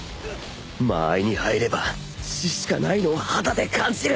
間合いに入れば死しかないのを肌で感じる